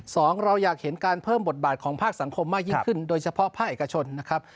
เราอยากเห็นการเพิ่มบทบาทของภาคสังคมมากยิ่งขึ้นโดยเฉพาะภาคเอกชนนะครับ